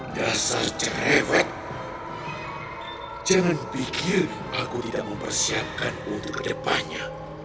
dasar cerewet jangan pikir aku tidak mempersiapkanmu untuk kedepannya